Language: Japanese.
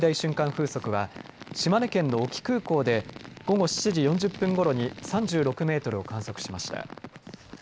風速は島根県の隠岐空港で午後７時４０分ごろに３６メートルを観測しました。